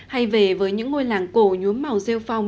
hay về với những ngôi làng cổ nhuốm màu rêu phong